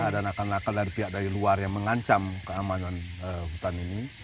ada nakal nakal dari pihak dari luar yang mengancam keamanan hutan ini